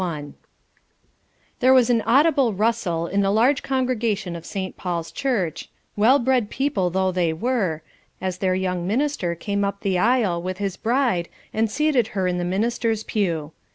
VIDA. There was an audible rustle in the large congregation of St. Paul's Church, well bred people though they were, as their young minister came up the aisle with his bride and seated her in the minister's pew.